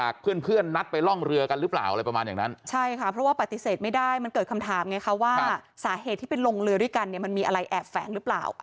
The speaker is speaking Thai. คุณแต่งโมไปไปรับงานอะไรไว้อะไรยังไงหรือเปล่า